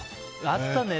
あったね。